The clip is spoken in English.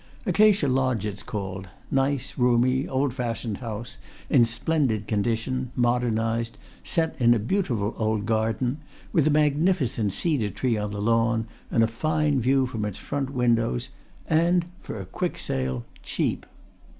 Acacia Lodge, it's called nice, roomy, old fashioned house, in splendid condition, modernized, set in a beautiful old garden, with a magnificent cedar tree on the lawn, and a fine view from its front windows. And, for a quick sale, cheap."